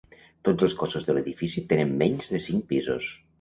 Tots els cossos de l'edifici tenen menys de cinc pisos.